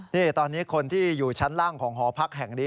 นี่ตอนนี้คนที่อยู่ชั้นล่างของหอพักแห่งนี้